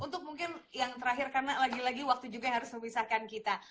untuk mungkin yang terakhir karena lagi lagi waktu juga yang harus memisahkan kita